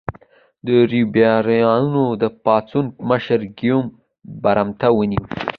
درباریانو د پاڅون مشر ګیوم برمته ونیو.